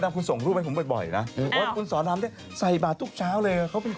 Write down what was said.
ร้านหมูกระทะอยู่บ่อวินศรีราชาชนบุรี